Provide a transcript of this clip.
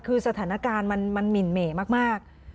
คือสถานการณ์มันหมินเหม่มาก